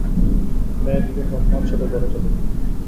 মেয়ে দু জন তৎক্ষণাৎ ছুটে ঘরে চলে গেল।